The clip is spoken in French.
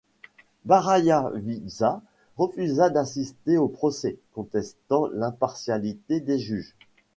Barayagwiza refusa d'assister au procès, contestant l'impartialité des juges.